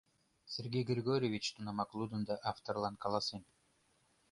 Сергей Григорьевич тунамак лудын да авторлан каласен: